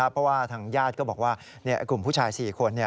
เพราะว่าทางญาติก็บอกว่ากลุ่มผู้ชาย๔คน